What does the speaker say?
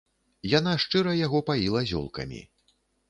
Яна шчыра яго паіла зёлкамі.